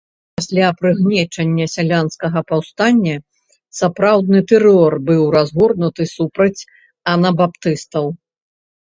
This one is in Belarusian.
Пасля прыгнечання сялянскага паўстання сапраўдны тэрор быў разгорнуты супраць анабаптыстаў.